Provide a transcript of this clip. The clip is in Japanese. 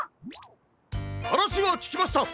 はなしはききました。